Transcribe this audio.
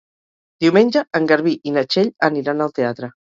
Diumenge en Garbí i na Txell aniran al teatre.